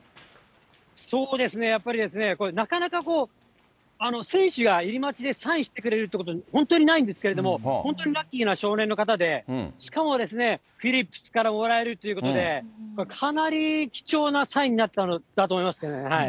そうですね、これ、なかなかこう、選手が入り待ちでサインしてくれるってこと、本当にないんですけれども、本当にラッキーな少年の方で、しかもフィリップスからもらえるということで、かなり貴重なサインになったんだと思いますけどね。ね。